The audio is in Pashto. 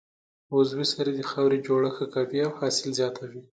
عضوي سرې د خاورې جوړښت ښه کوي او حاصل زیاتوي.